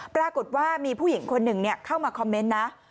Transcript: ปรากฏว่ามีผู้หญิงคนหนึ่งเข้ามาคอมเมนต์นะ